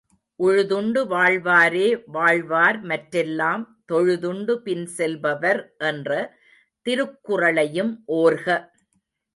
உழுதுண்டு வாழ்வாரே வாழ்வார்மற் றெல்லாம் தொழுதுண்டு பின்செல் power என்ற திருக்குறளையும் ஓர்க.